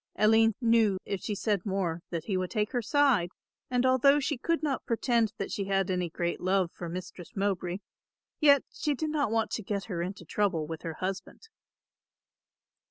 Aline knew, if she said more that he would take her side, and although she could not pretend that she had any great love for Mistress Mowbray, yet she did not want to get her into trouble with her husband.